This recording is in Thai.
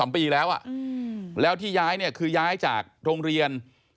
๓ปีแล้วแล้วที่ย้ายเนี่ยคือย้ายจากโรงเรียน